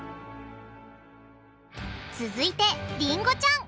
続いてりんごちゃん！